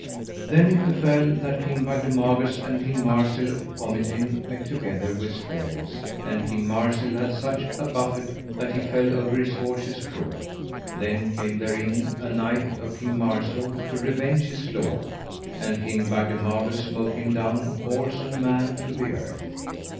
Then it befell that King Bagdemagus and King Marsil of Pomitain met together with spears, and King Marsil had such a buffet that he fell over his horse's croup. Then came there in a knight of King Marsil to revenge his lord, and King Bagdemagus smote him down, horse and man, to the earth.